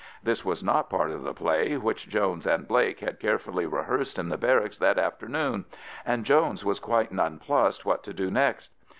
This was not part of the play which Jones and Blake had carefully rehearsed in the barracks that afternoon, and Jones was quite nonplussed what to do next.